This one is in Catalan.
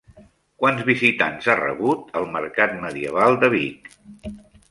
Quants visitants ha rebut el Mercat Medieval de Vic?